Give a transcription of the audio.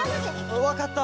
わかった。